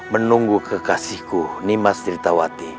menunggu kekasihku nimas dhritawati